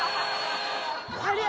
ありゃ！